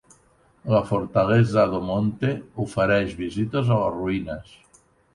La Fortaleza do Monte ofereix vistes a les ruïnes.